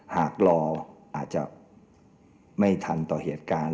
หากรออาจจะไม่ทันต่อเหตุการณ์